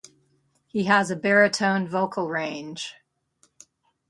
He has a baritone vocal range.